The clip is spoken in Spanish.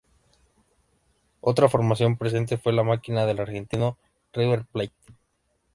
Otra formación presente fue "La Máquina" del argentino River Plate.